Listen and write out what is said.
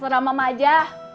terserah mama aja